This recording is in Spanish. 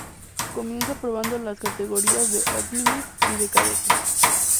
Comienza probando las categorías de optimist y de cadete.